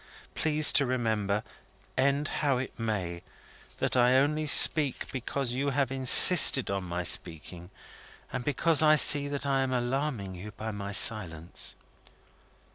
Please to remember, end how it may, that I only speak because you have insisted on my speaking, and because I see that I am alarming you by my silence.